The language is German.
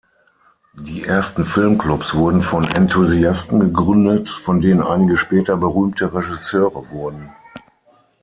Die ersten Filmklubs wurden von Enthusiasten gegründet, von denen einige später berühmte Regisseure wurden.